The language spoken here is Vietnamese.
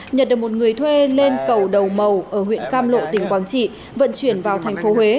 nhật được một người thuê lên cầu đầu màu ở huyện cam lộ tỉnh quảng trị vận chuyển vào thành phố huế